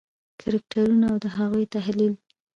کرکټرونه او د هغوی تحلیل: